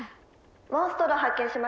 「モンストロ発見しました。